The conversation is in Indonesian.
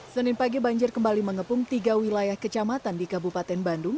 senin pagi banjir kembali mengepung tiga wilayah kecamatan di kabupaten bandung